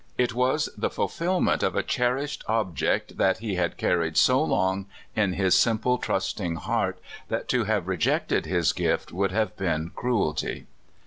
It was the fulfillment of a cherished object that he had carried so long in his simple, trusting heart that to have rejected his gift would have been cruelty.